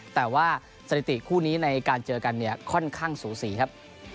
แต่ว่าสถิติคู่นี้ในการเจอกันเนี่ยค่อนข้างสูสีครับ